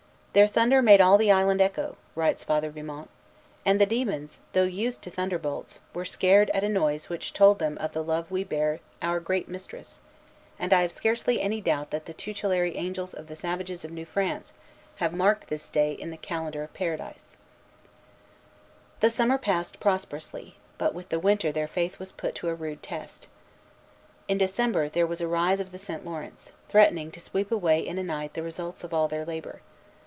"Their thunder made all the island echo," writes Father Vimont; "and the demons, though used to thunderbolts, were scared at a noise which told them of the love we bear our great Mistress; and I have scarcely any doubt that the tutelary angels of the savages of New France have marked this day in the calendar of Paradise." Vimont, Relation, 1642, 38. Compare Le Clerc, Premier Etablissement de la Foy, II. 51. The summer passed prosperously, but with the winter their faith was put to a rude test. In December, there was a rise of the St. Lawrence, threatening to sweep away in a night the results of all their labor.